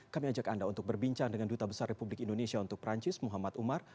kami ajak anda untuk berbincang dengan duta besar republik indonesia untuk perancis muhammad umar